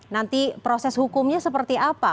nanti proses hukumnya seperti apa